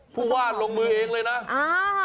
ผู้วาดลงมือเองเลยนะ